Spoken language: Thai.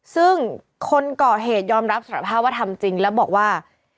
ซึ่งคนก่อเหตุยอมรับสารภาพว่าทำจริงแล้วบอกว่า